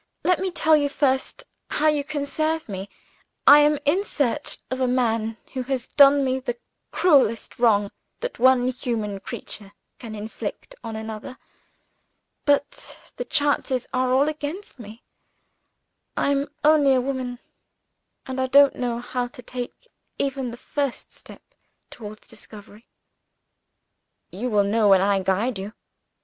Let me tell you first how you can serve me. I am in search of a man who has done me the cruelest wrong that one human creature can inflict on another. But the chances are all against me I am only a woman; and I don't know how to take even the first step toward discovery." "You will know, when I guide you."